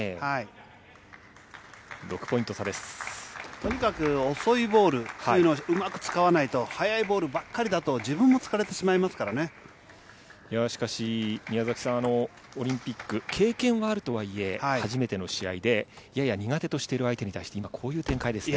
とにかく遅いボールというのをうまく使わないと、速いボールばっかりだと、自分も疲れてしましかし宮崎さん、オリンピック経験はあるとはいえ、初めての試合で、やや苦手としている相手に対して今、こういう展開ですね。